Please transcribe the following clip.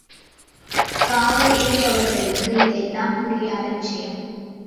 காவல் இருப்பவர்களுக்கு இதெல்லாம் புரியாத விஷயம்.